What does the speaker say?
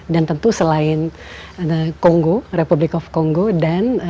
dan tentu selain kongo republic of kongo dan